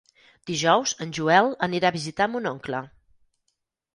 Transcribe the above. Dijous en Joel anirà a visitar mon oncle.